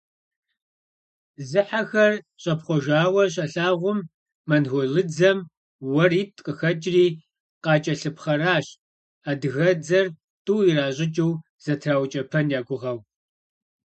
Зыхьэхэр щӏэпхъуэжауэ щалъагъум, монголыдзэм уэритӏ къыхэкӏри, къакӏэлъыпхъэращ, адыгэдзэр тӏу иращӏыкӏыу зэтраукӏэпэн я гугъэу.